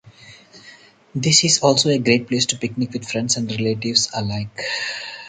This is also a great place to picnic with friends and relatives alike.